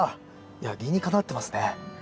いや理にかなってますね。